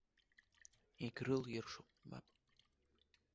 Егьрылиршом, мап.